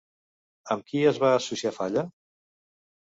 Amb qui es va associar Falla?